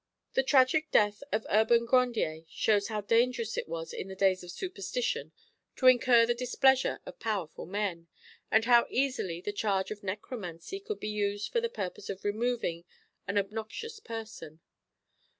The tragic death of Urban Grandier shows how dangerous it was in the days of superstition to incur the displeasure of powerful men, and how easily the charge of necromancy could be used for the purpose of "removing" an obnoxious person.